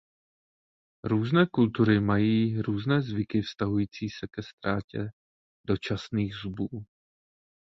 Různé kultury mají různé zvyky vztahující se ke ztrátě dočasných zubů.